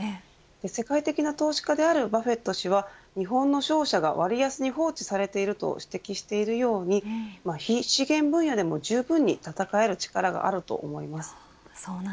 世界的な投資家であるバフェット氏は、日本の商社が割安に放置させれていると指摘しているように非資源分野でもじゅうぶんに戦える力があると思います。